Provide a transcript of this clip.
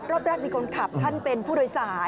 รอบแรกมีคนขับท่านเป็นผู้โดยสาร